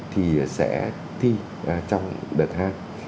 thì sẽ thi trong đợt hai